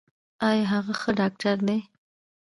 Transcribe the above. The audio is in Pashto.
ایا هغه ښه ډاکټر دی؟